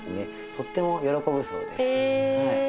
とっても喜ぶそうです。え！